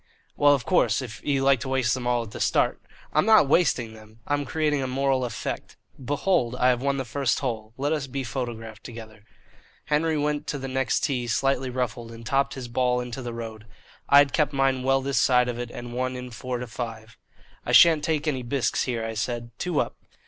"Well, of course, if you like to waste them all at the start " "I'm not wasting them, I'm creating a moral effect. Behold, I have won the first hole; let us be photographed together." Henry went to the next tee slightly ruffled and topped his ball into the road. I had kept mine well this side of it and won in four to five. "I shan't take any bisques here," I said. "Two up."